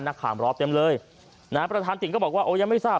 นักข่าวรอเต็มเลยนะฮะประธานติ่งก็บอกว่าโอ้ยังไม่ทราบ